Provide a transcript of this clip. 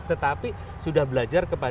tetapi sudah belajar ke emas